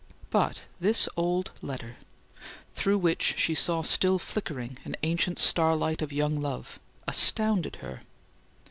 But this old letter, through which she saw still flickering an ancient starlight of young love, astounded her.